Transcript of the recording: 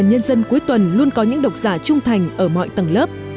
nhân dân cuối tuần luôn có những độc giả trung thành ở mọi tầng lớp